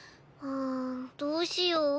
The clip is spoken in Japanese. うんどうしよう？